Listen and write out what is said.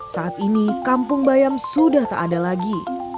saat ini kampung bayam sudah tak ada lagi